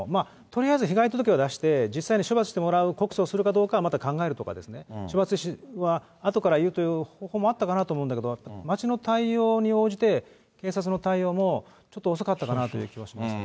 とりあえず、被害届を出して、実際に処罰してもらう告訴するかどうかはまた考えるとかですね、処罰はあとから言うという方法もあったかなとも思うんだけれども、町の対応に応じて、警察の対応も、ちょっと遅かったかなという気はしました。